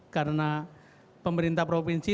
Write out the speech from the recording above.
karena pemerintah provinsi